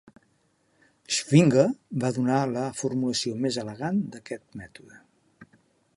Schwinger va donar la formulació més elegant d'aquest mètode.